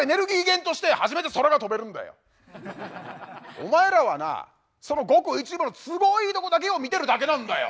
お前らはなそのごく一部の都合いいとこだけを見てるだけなんだよ。